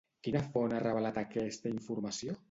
Quina font ha revelat aquesta informació?